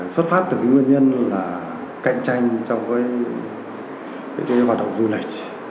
xuất phát từ cái nguyên nhân là cạnh tranh trong với cái đối tượng hoạt động du lịch